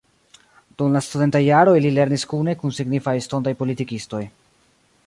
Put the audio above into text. Dum la studentaj jaroj li lernis kune kun signifaj estontaj politikistoj.